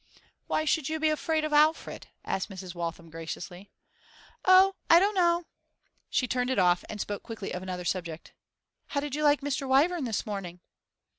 'Why should you be afraid of Alfred?' asked Mrs. Waltham graciously. 'Oh, I don't know.' She turned it off and spoke quickly of another subject. 'How did you like Mr. Wyvern this morning?